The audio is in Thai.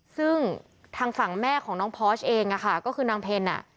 ซึ่งทางฝั่งแม่ของน้องพอร์ชเองอ่ะค่ะก็คือน้องเพ็ญอ่ะ